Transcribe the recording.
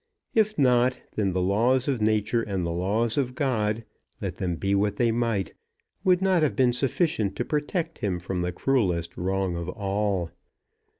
If not, then the laws of Nature and the laws of God, let them be what they might, would not have been sufficient to protect him from the cruellest wrong of all.